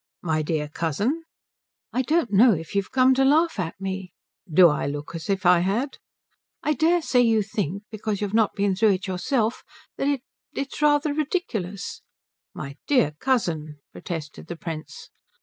"My dear cousin?" "I don't know if you've come to laugh at me?" "Do I look as if I had?" "I dare say you think because you've not been through it yourself that it it's rather ridiculous." "My dear cousin," protested the Prince.